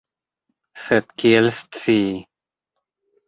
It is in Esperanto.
Sed kiel scii?